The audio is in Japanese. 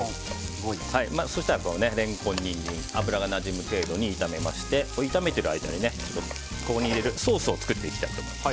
そしたらレンコン、ニンジン油がなじむ程度に炒めまして炒めている間にここに入れるソースを作っていきたいと思います。